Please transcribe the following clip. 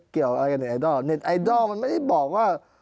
เกี่ยวอะไรกับไอดอลเน็ตไอดอลมันไม่ได้บอกว่า